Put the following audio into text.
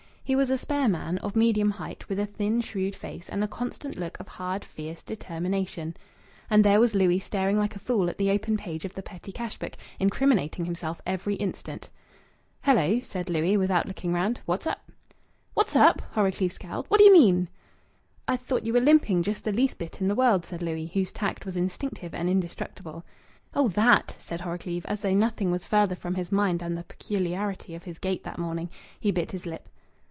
He was a spare man, of medium height, with a thin, shrewd face and a constant look of hard, fierce determination. And there was Louis staring like a fool at the open page of the petty cash book, incriminating himself every instant. "Hello!" said Louis, without looking round. "What's up?" "What's up?" Horrocleave scowled. "What d'ye mean?" "I thought you were limping just the least bit in the world," said Louis, whose tact was instinctive and indestructible. "Oh, that!" said Horrocleave, as though nothing was farther from his mind than the peculiarity of his gait that morning. He bit his lip.